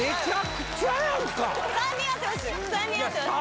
３人合ってます